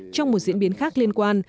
trong một diễn biến khác liên quan